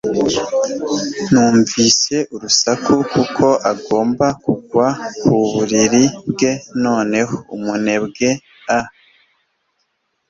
Numvise urusaku kuko agomba kugwa ku buriri bwe noneho umunebwe a